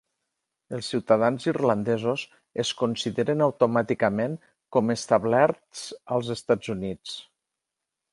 Els ciutadans irlandesos es consideren automàticament com "establerts" als Estats Units.